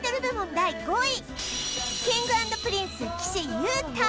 第５位Ｋｉｎｇ＆Ｐｒｉｎｃｅ岸優太